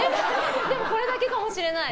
これだけかもしれない。